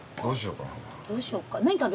どうしようか？